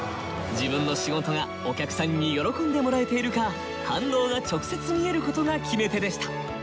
自分の仕事がお客さんに喜んでもらえているか反応が直接見えることが決め手でした。